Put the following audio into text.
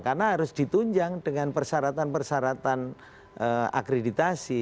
karena harus ditunjang dengan persyaratan persyaratan akreditasi